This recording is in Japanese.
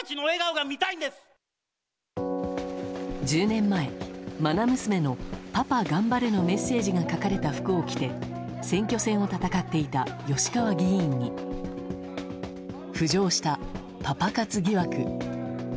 １０年前、愛娘のパパ頑張れのメッセージが書かれた服を着て選挙戦を戦っていた吉川議員に浮上したパパ活疑惑。